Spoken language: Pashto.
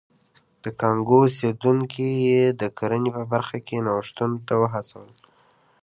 د کانګو اوسېدونکي یې د کرنې په برخه کې نوښتونو ته وهڅول.